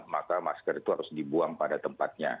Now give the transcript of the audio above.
maka masker itu harus dibuang pada tempatnya